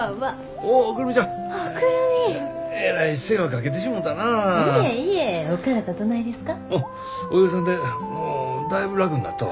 おかげさんでもうだいぶ楽になったわ。